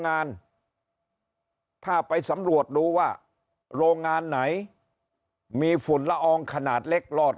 งานถ้าไปสำรวจดูว่าโรงงานไหนมีฝุ่นละอองขนาดเล็กรอด